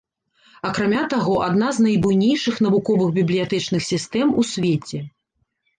Акрамя таго, адна з найбуйнейшых навуковых бібліятэчных сістэм у свеце.